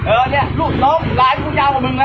อุ้ยเนี้ยรูปน้องไลน์กูชาวของมึงละ